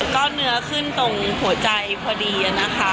ก็เนื้อขึ้นตรงหัวใจพอดีนะคะ